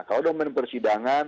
ya kalau domain persidangan